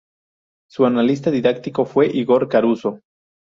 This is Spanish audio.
Su analista didáctico fue Igor Caruso.